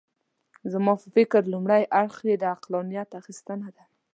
زما په فکر لومړی اړخ یې د عقلانیت اخیستنه ده.